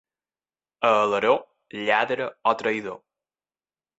A Alaró, lladre o traïdor.